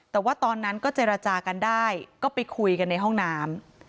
แต่ว่าตอนนั้นก็เจรจากันได้ก็ไปคุยกันในห้องน้ำ